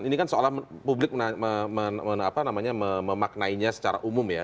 ini kan seolah publik memaknainya secara umum ya